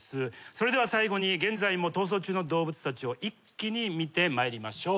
それでは最後に現在も逃走中の動物たちを一気に見てまいりましょう。